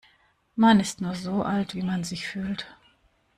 Man ist nur so alt, wie man sich fühlt.